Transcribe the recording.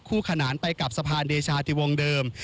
ขนานไปกับสะพานเดชาติวงเดิม